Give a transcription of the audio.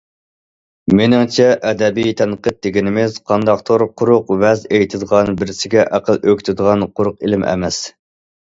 مېنىڭچە، ئەدەبىي تەنقىد دېگىنىمىز قانداقتۇر قۇرۇق ۋەز ئېيتىدىغان، بىرسىگە ئەقىل ئۆگىتىدىغان قۇرۇق ئىلىم ئەمەس.